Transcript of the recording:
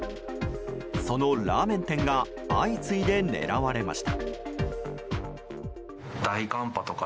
そのラーメン店が相次いで狙われました。